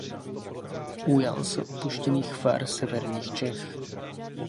Ujal se opuštěných far severních Čech.